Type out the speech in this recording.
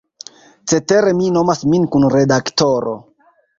Cetere mi nomas min "kun-redaktoro".